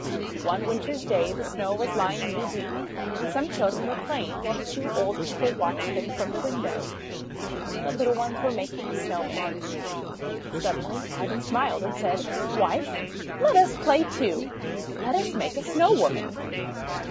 One Winter's day the Snow was lying knee deep, and some children were playing, while the two old people watched them from the window. The little ones were making a Snow man. Suddenly Ivan smiled, and said: — "Wife, let us play, too. Let us make a Snow woman."